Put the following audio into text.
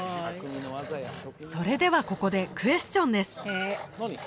それではここでクエスチョンです